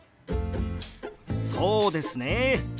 そうですね